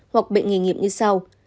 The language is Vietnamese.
hoặc bệnh nghề nghiệp như sau